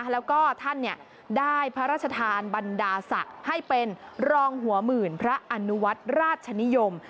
แล้วก็ท่านได้พระราชทานบรรดาศักดิ์ให้เป็นรองหัวหมื่นพระอนุวัฒน์ราชนิยม